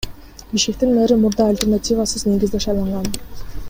Бишкектин мэри мурда альтернативасыз негизде шайланган.